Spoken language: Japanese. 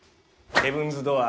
ヘブンズ・ドアー。